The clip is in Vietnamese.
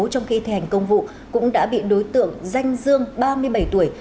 trong khi thi hành công vụ cũng đã bị đối tượng danh dương ba mươi bảy tuổi